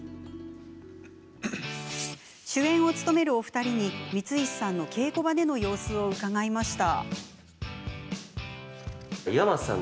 主演を務めるお二人に光石さんの稽古場での様子を伺いました。